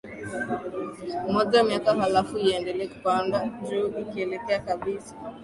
moja miaka halafu iendelea kupanda juu ikielekea kabisa